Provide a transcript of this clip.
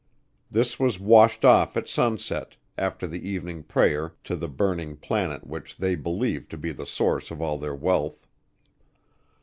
This was washed off at sunset, after the evening prayer to the burning planet which they believed to be the source of all their wealth.